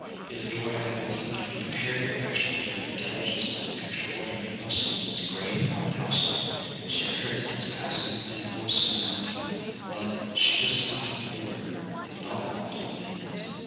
'Isidora had been in some degree prepared for extraordinary intelligence by an extraordinary bustle in this grave and quiet household. She had heard steps passing, and voices resounding, but 'She wist not what they were,' and thought not of what they meant.